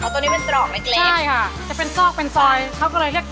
ตัวนี้เป็นตรอกเล็กเล็กใช่ค่ะจะเป็นซอกเป็นซอยเขาก็เลยเรียก